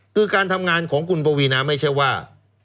คือการทำงานของคุณปวีนาไม่ใช่ว่า